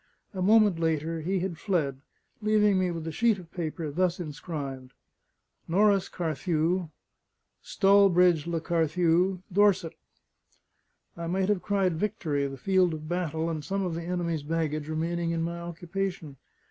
A moment later, he had fled, leaving me with a sheet of paper, thus inscribed: Norris Carthew, Stallbridge le Carthew, Dorset. I might have cried victory, the field of battle and some of the enemy's baggage remaining in my occupation.